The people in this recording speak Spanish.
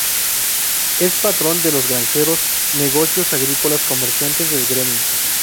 Es patrón de los granjeros, negocios agrícolas comerciantes del gremio.